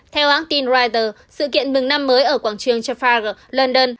theo hãng tin reuters sự kiện mừng năm mới ở quảng trường trafa london